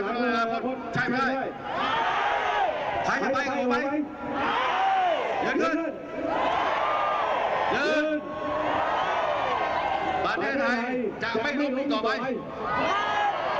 วันนี้จริงเราอดไม่ได้ผมเปิดใช่ไหมในเฟสบุ๊คเว้ยกำลังฟังกันเพลินเลยผมอดไม่ได้เลยนะครับ